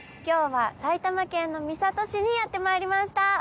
今日は埼玉県の三郷市にやってまいりました。